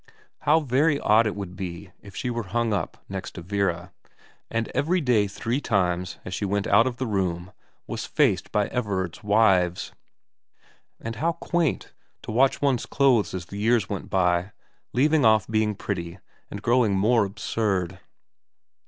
How very odd it would be if she were hung up next to Vera, and every day three times as she went out of the room was faced by Everard's wives. And how quaint to watch one's clothes as the years went by leaving off being pretty and growing more absurd.